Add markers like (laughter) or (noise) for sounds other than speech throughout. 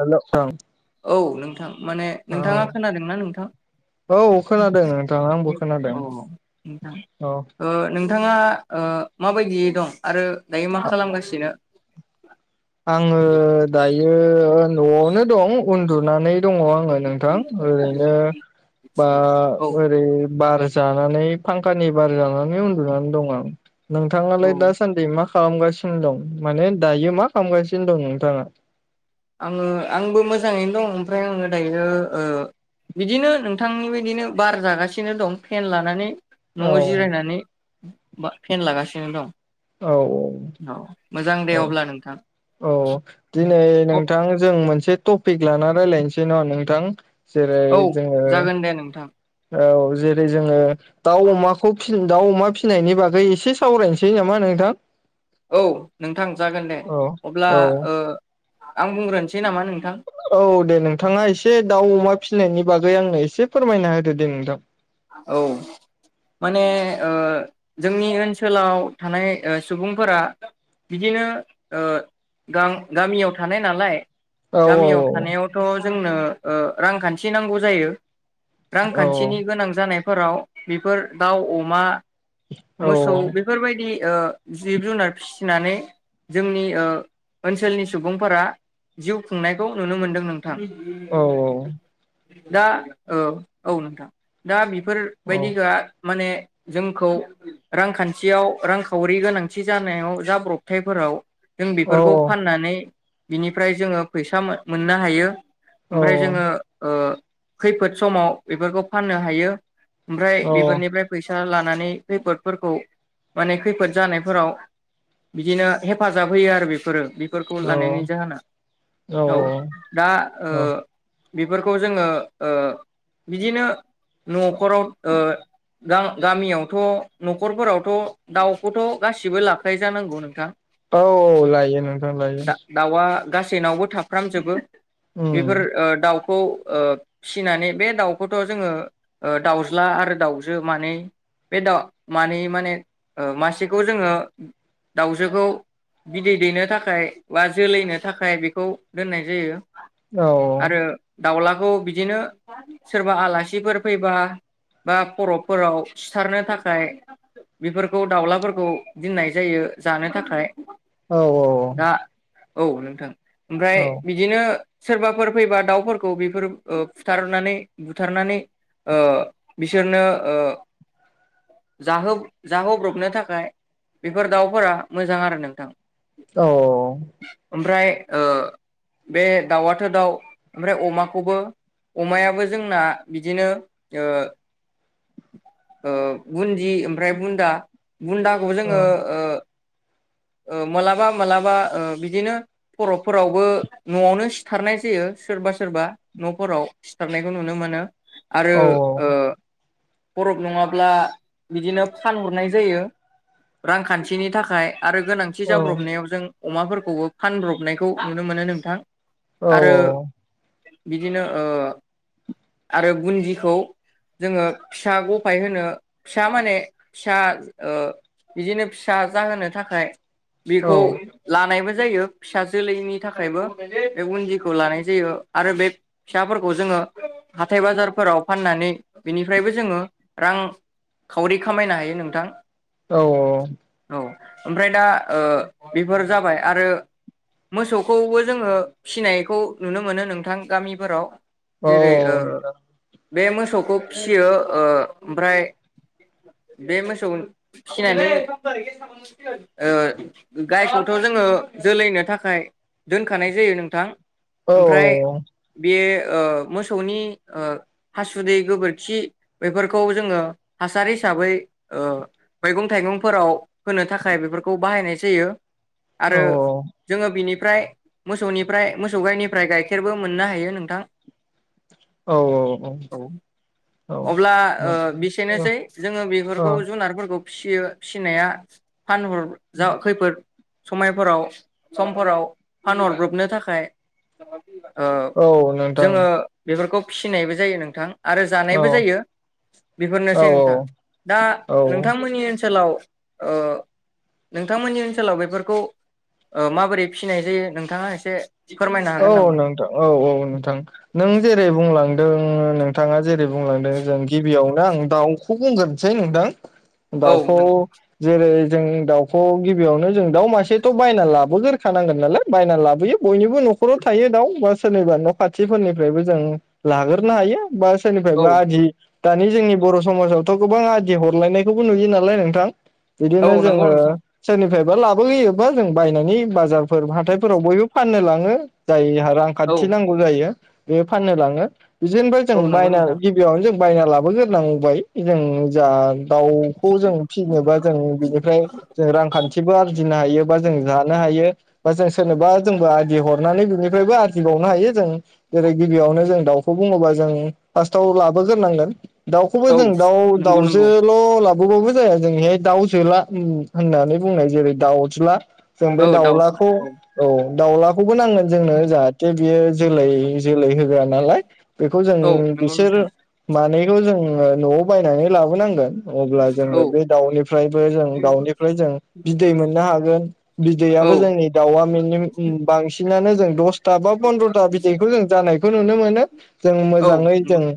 Hello ओं औ नोंथां माने नोंथाङा खोनादोंना नोंथां? औ खोनादों नोंथां आंबो खोनादों औ नोंथां औ ओ नोंथाङा ओ माबायदियै दं? आरो दायो मा खालामगासिनो? आङो दायो नआवनो दं उन्दुनानै दङ आंङो नोंथां ओरैनो बा औ ओरै जानानै फांखानि बार जानानै उन्दुनानै दं आं। औ नोंथांनालाय दासान्दि मा खालामगासिनो दं? माने दायो मा खालामगासिनो दं नोंथाङा? आङो आंबो मोजाङैनो दं ओमफ्राय आङो दायो ओ बिदिनो नोंथांनि बदिनो बार जागासिनो दं फेन लानानै औ न'आव जिरायनानै बा फेन लागासिनो दं। औ। औ मोजां दे औ अब्ला नोंथां औ दिनै नोंथां जों मोनसे टपिक लानानै रायलायनोसै ना नोंथां। जेरै औ जोङो जागोन दे नोंथां औ जेरै जोङो दाउ अमा खुब दाउ अमा फिसिनायनि बागै एसे सावरायनोसै नामा नोंथां? औ नोंथां जागोन दे औ अब्ला औ ओ आं बुंग्रो औ दे नोंथाङा एसे दाउ अमा फिनायनि बागै आंनो एसे फोरमायना होदो दे नोंथां। औ माने ओ जोंनि ओनसोलाव थानाय सुबुंफोरा बिदिनो ओ गामियाव थानाय नालाय औ औ गामियाव थानायावथ जोंनो ओ रांखान्थि नांगौ जायो। औ रांखान्थिनि गोनां। जानायफोराव बेफोर दाउ अमा औ मोसौ बेफोरबायदि ओ जिब जुनार फिसिनानै जोंनि ओ ओनसोलनि सुबुंफोरा जिउ खुंनायखौ नुनो मोनदों नों औ (unintelligible) दा ओ औ नोंथां दा बिब फोर औ बायदि माने जोंखौ रांखान्थियाव रांखावरि गोनांथि जानायाव जाब्रबथायफोराव जों औ बेफोरखौ फाननानै बिनिफ्राय जोङो फैसा मोन-मोननो हायो औ ओमफ्राय जोङो ओ खैफोद समाव बेफोरखौ फाननो हायो ओमफ्राय औ बेफोरनिफ्राय फैसा ला माने खैफोदफोरखौ माने खैफोदजानायफोराव बिदिनो हेफाजाब होयो आरो बेफोरो फोरखौ लानायनि जाहोना औ दा ओ औ बेफोरखौ जोङो ओ बिदिनो नखराव ओ गा-गामियावथ नखरफोरावथ दाउखौथ गासिबो लाखायोजानांगौ नोंथां औ औ लायो नोंथां लायो दा दाउआ गासैनावबो थाफ्रामजोबो उम बेफोर ओ दाउ खौ ओ फिनानै बे दाउखौथ जोङो दाउज्ला आरो दाउजो मानै बे दा मानै माने ओ मासेखौ जोङो दाउजोखौ बिदै दैनो थाखाय बा जोलैनो थाखाय बेखौ दोननाय जायो औ आरो दाउला औ बिदिनो सोरबा आला थिफोर फैबा बा परफफोराव सिथारनो थाखाय बेफोरखौ दाउलाफोरखौ दोननाय जायो जानो थाखाय औ औ औ दा औ नोंथां ओमफ्राय बिदिनो सोरबाफोर फैबा दाउफोरखौ बेफोर फुथारनानै बुथारनानै ओ बिसोरनो ओ जाहोब-जाहोब्रबनो थाखाय बेफोर दाउफोरा मोजां आरो नोंथां औ औ औ फ्राय ओ बे दाउआथ दाउ ओमफ्राय अमाखौबो अमायाबो जोंना बिदिनो ओ ओ बुन्दि ओमफ्राय बुन्दा बुन्दाखौ जोङो ओ ओ मोलाबा मालाबा ओ बिदिनो खरफोरावबो नआवनो सिथारनाय जायो सोरबा सोरबा नफोराव सिथारनायखौ नुनो मोनो। आरो औ ओ फरफ नङाब्ला बिदिनो फानहरनाय जायो रांखान्थिनि थाखाय आरो गोनांथि औ जाब्रबनायाव जों अमाफोरखौबो फानब्रबनायखौ नुनो मोनो नोंथां आरो बिदिनो ओ आरो बुन्दिखौ जोङो फिसा गफाय होनो फिसा माने फिसा ओ बिदिनो फिसा जाहोनो थाखाय औ बेखौ लानायबो जायो फिसा जोलैनि थाखायबो बे बुन्दिखौ लानाय जायो आरो बे फिसाफोरखौ जोङो हाथाय बाजारफोराव फाननानै बिनि फ्रायबो जोङो रां खावरि खामायनो हायो नोंथां। औ औ औ औ ओमफ्राय दा ओ बेफोर जाबाय आरो मोसौखौबो जोङो फिनायखौ नुनो मोनो नोंथां गामिफोराव औ जेरै औ नोंथां बे मोसौखौ फियो ओ ओमफ्राय बे मोसौ फिनानै ओ गायखौथ जोङो जोलैनो थाखाय दोनखानाय जायो नोंथां औ ओमफ्राय बे ओ मोसौनि ओ हासुदै गोबोर खि बेफोरखौ जोङो हासार हिसाबै ओ मैगं- थाइगंफोराव होनो थाखाय बेफोरखौ बाहायनाय जायो। औ आरो जोङो बिनि फ्राय मोसौनिफ्राय मोसौ गाइनिफ्राय गाइखेरबो मोननो हायो नोंथां औ औ औ अब्ला ओ बेसेनोसै जोङो बेफोरखौ औ जुनारफोर बखौ फियो फिनाया फानहर जा खैफोद समायफोराव समफोराव फानहरब्रबनो थाखाय ओ औ नोंथां जोङो बेफोरखौ फिसिनायबो जायो नोंथां आरो औ जानायबो जायो औ बेफोरनोसै नोंथां। औ दा औ नोंथांमोननि ओनसोलाव ओ नोंथांमोननि ओनसोलाव बेफोरखौ ओ माबोरै फिनाय जायो नोंथाङा एसे फोरमायनो औ हागोन नामा? नोंथां औ औ नोंथां नों जेरै बुंलां दोङो नोंथाङा जेरै बुंलांदों जों गिबियावनो आं दाउखौ बुंग्रोनोसै नोंथां। औ दाउखौ नोंथां जेरै जों दाउखौ गिबियावनो जों दाउ मासेथ बायना लाबोगोरखानांगोन नालाय बायना लाबोयो बयनिबो न खराव थायो दाउ बा सोरनिबा न खाथिफोरनिफ्रायबो जों लाग्रोनो हायो बा औ सोरनिफ्रायबा आदि दानि जोंनि बर समाजाव थ गोबां आदि हरलायनायखौबो नुयो नालाय नोंथां औ बिदिनो नंगौ जोङो नोंथां सोरनिफ्राय लाबोयोबा जों बायनानै बाजार हाथायफोराव बयबो फाननो लाङो। हो जायहा औ रांखान्थि नांगौ जायो। बेयो फाननो लाङो। बिदिनिफ्राय जों औ नंगौ बायना नोंथां गिबियावनो जों बायना लाबोग्रोनांबाय जों जा दाउखौ जों फिसिनोबा जों बिनिफ्राय जों रांखान्थिबो आरजिनो हायो। जों जानो हायो बा जों सोरनोबा जोंबोदि ह थनानै बिनिफ्रायबो आरजिबावनो हायो जों जेरै गिबियावनो जों दाउखौ बुङोबा जों फार्स्टआव लाबोग्रोनांगोन। दाउखौबो औ जों दाउ नंगौ नंगौ दाउजोल लाबो बौबाबो जाया जोंनिहाय दाउ जोला होननानै बुंनाय जेरै दाउज्ला जों बे औ दाउज्ला दाउलाखौ औ दावला खौबो नाङो। जोंनो जाहाथे बियो जोलाय जोलै हो होआ नालाय बेखौ जों औ नंगौ बिसोर नोंथां मानैखौ जों न'आव बायनानै लाबोनांगोन। अब्ला औ जोङो बे दाउनिफ्रायबो जों दाउनिफ्राय जों बिदै मोननो हागोन बिदैयाबो औ जोंनि दाउआ मिनि बांसिनानो जों दथा बन्द्रथा बिदैखौ जों जानायखौ नुनो मोनो जों औ मोजाङै जों नंगौ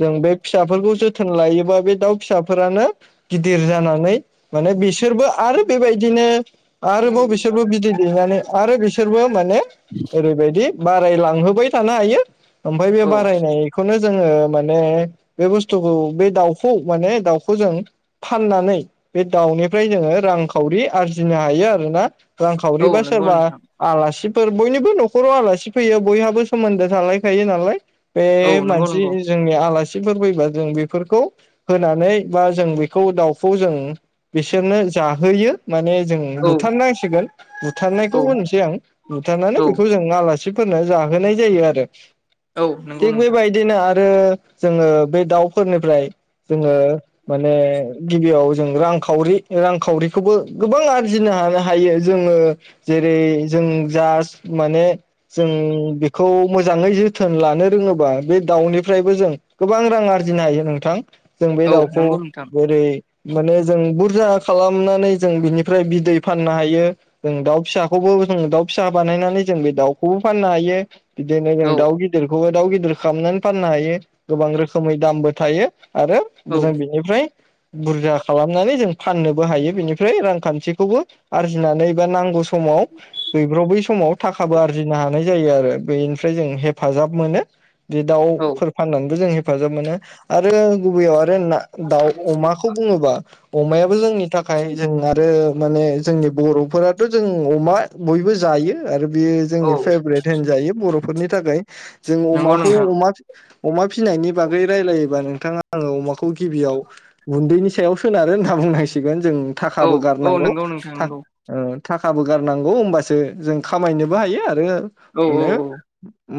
जों बे फिसाफोरखौ जोथोन लायोबा बे बे दाउ फिसाफोरानो गिदिर जानानै। माने बिसोरबो आरो बेबायदिनो आरोबाव बिसोरबो बिदै दैनानै आरो बिसोर फोरबो माने ओरैबायदि बाराय लांहोबाय थानो हायो ओमफ्राय बे औ बारायनायखौनो जोङो माने बे बुस्थुखौ बे दाउखौ माने दाउखौ जों फाननानै बे दाउनिफ्राय जोङो रांखावरि आरजिनो हायो आरोना। औ रांखावरिबा नंगौ सोरबा नोंथां आलासिफोर बयनिबो नखराव आलासि फैयो बयहाबो सोमोन्दो थालायखायो नालाय। बे औ नंगौ मानसि नंगौ जोंनि आलासि। खासिफोर फैबा जों बेफोरखौ होनानै बा जों बेखौ दाउखौ जों बिसोरनो जाहोयो। माने जों औ बुथारनांसिगोन बुथारनायखौ औ होन बुथारनानै औ बेखौजों लिंना मासिफोरनो जाहोनाय जायो आरो। औ नंगौ थिक बे नोंथां बायदिनो आरो जोङो बे दाउफोरनिफ्राय जोङो माने गिबियाव जों रांखावरि रांखावरिखौबो गोबां आरजिनो हानो हायो जोङो जेरै जों जास माने जों बेखौ मोजाङै जोथोन लानो रोङोबा बे दाउनिफ्रायबो जों गोबां रां आरजिनो हायो नोंथां। जों बे औ दाउखौ नंगौ नोंथां जेरै माने जों बुरजा खालामनानै जों बिनिफ्राय बिदै फाननो हायो जों दाउ फिसाखौबो जों दाउ फिसा बानायनानै जों बे दाउखौबो फाननो हायो। बिदिनो जों औ दाउ गिदिरखौबो दाउ गिदिर खालामनानै फाननो हायो गोबां रोखोमै दामबो थायो। आरो औ मोजां बेनिफ्राय बुरजा खालामनानै जों फाननोबो हायो बेनिफ्राय रांखान्थिखौबो आरजिनानै एबा नांगौ सम समाव रबै समाव थाखाबो आरजिनो हागोन। हानायजायो आरो बेनिफ्राय जों हेफाजाब मोनो। बे दाउफोर फाननानैबो जों हे हेफाजाब मोनो आरो गुबैयाव ना दाउ अमाखौ बुङोबा अमायाबो जोंनि थाखाय जों आरो माने जोंनि बर' फोराथ' जों अमा। बयबो जायो आरो बेयो औ जोंनि फेभरेट होनजायो बर' फोरनि थाखाय जों औ नंगौ अमाखौ नोंथां अमा अमा फिनायनि बागै रायलायोबा नोंथाङा आङो अमाखौ गिबियाव गुन्दैनि सायाव सोनारो होनना बुंनांसिगोन। जों औ थाखाबो औ गारनांगौ नंगौ नोंथां नंगौ ओ थाखाबो गारनां गौ होमबासो जों खामायनोबो हायो आरो औ मोनो।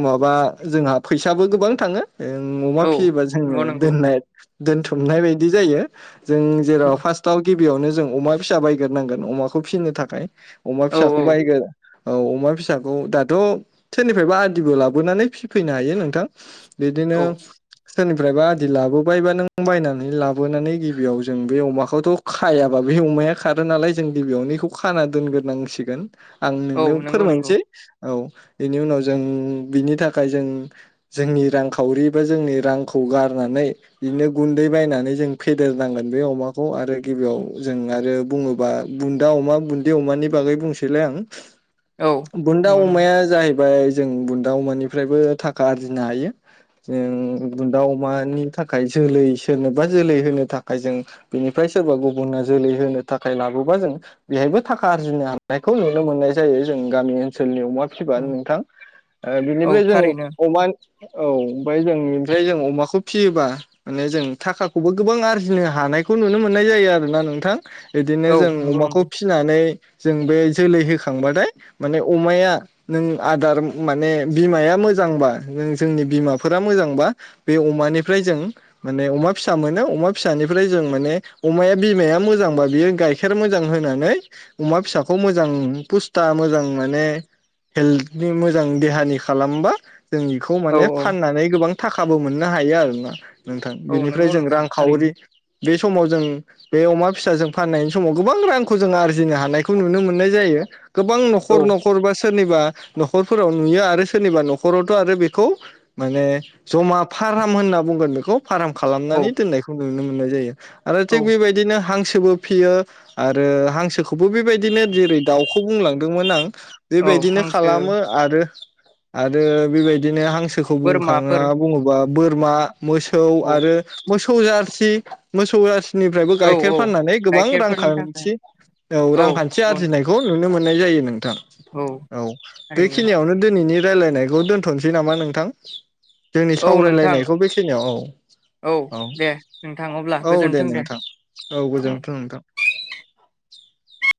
माबा जोंहा फैसाबो गोबां थाङो। ओ अमा औ फियोबा जोङो नंगौ नंगौ दोननाय दोनथुमनाय बायदि जायो। जों औ जेराव फार्स्टआव गि गिबियावनो जों अमा फिसा बायग्रोनांगोन अमाखौ फिसिनो थाखाय अमा औ फिसाख (unintelligible) औ अमा फिसाखौ दाथ‌' सोरनिफ्रायबा आदिबो लाबोनानै फिफैनो हायो नोंथां। बिदिनो औ सोरनिफ्रायबा आदि लाबोबायबा नों बायनानै लाबोनानै गिबियाव जों बे अमाखौथ' खायाबा बे अमाया खारो नालाय जों गिबियावनोखौ खाना दोनग्रोनांसिगोन। (inaudible) आं औ नोंनो नंगौ नंगौ फोरमायनोसै। औ इनि उनाव जों बिनि थाखाय जों जोंनि रांखावरि बा जोंनि रांखौ गारनानै बिदिनो गुन्दै बायनानै जों फेदेरनांगोन बे अमाखौ आरो गिबियाव जों आरो बुङोबा बुन्दा अमा बुन्दै अमानि बागै बुंसो बुंसैलाय आं। औ बुन्दा नंगौ नंगौ अमाया जाहैब फ्राय जों बुन्दा अमानिफ्रायबो थाखा आरजिनो हायो जों बुन्दा अमानि थाखाय जोलै सोरनोबा जोलै होनो थाखाय जों बेनिफ्राय सोरबा गुबुना जोलै होनो थाखाय लाबोबा जों बेहायबो थाखा आरजिनो हा हानायखौ नुनो मोननाय जायो जों गामि ओनसोलनि अमा फिसिबा नोंथां ओ औ बिनिफ्राय जों थारैनो अमा औ ओमफ्राय जों ओमफ्राय जों अमाखौ फियोबा माने जों थाखाखौबो गोबां आरजिनो हानायखौ नुनो मोननाय जायो आरोना नोंथां। बिदिनो औ जों नंगौ अमाखौ नंगौ फिसिनानै जों बे जोलै होखांबाथाय माने अमाया नों आदार माने बिमाया मोजांबा नों जोंनि बिमाफोरा मोजांबा बे अमानिफ्राय जों माने अमा फिसा मोनो अमा फिसानिफ्राय जों माने अमाया बिमाया मोजांबा बियो गाइखेर मोजां होनानै अमा फिसाखौ मोजां फुस्था मोजां माने हेल्थनि मोजां देहानि खालामबा जों बेखौ औ माने औ फाननानै गोबां थाखाबो मोननो हायो आरोना नोंथां औ बेनिफ्राय नंगौ जों नोंथां थारैनो रांखावरि बे समाव जों बे अमा फिसाजों फाननायनि समाव गोबां रांखौ जों आरजि जिनो हानायखौ नुनो मोननाय जायो गोबां नखर औ नखर बा सोरनिबा नखरफोराव नुयो आरो सोरनिबा नखरावथ आरो बेखौ माने जमा फाराम होनना बुंगोन बेखौ फाराम औ खालामनानै दोननायखौ नुनो मोननाय जायो आरो थिग औ बेबायदिनो हां बो फियो आरो हांसो ब बेबायदिनो जेरै दाउख खौ बुंलांदोंमोन आं औ बेबायदिनो हांसो खालामो आरो आरो बेबायदिनो हां सोखौ बुंखाङा बोरमाफोर बुङोबा बोरमा मोसौ औ आरो मोसौ जारसि मोसौ जारसि निफ्रायबो औ गाइखेर औ फाननानै गोबां गाइखेरफोरनि थाखाय रांखान्थि औ रांखान्थि आरजिनायखौ नुनो मोन नाय जायो नोंथां औ थारैनो बेखिनियावनो दोनैनि रायलायनायखौ दोन्थनोसै नामा नोंथां? जोंनि औ नोंथां सावरायलायनायखौ बेखिनियाव औ औ दे नोंथां अब्ला औ दे गोजोन्थों नोंथां औ गोजोनथों नोंथां (inaudible)